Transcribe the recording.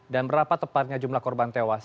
dan berapa tepatnya jumlah korban tewas